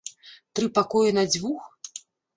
Тры пакоі на дзвюх?